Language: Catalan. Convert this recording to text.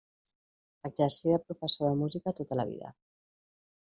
Exercí de professor de música tota la vida.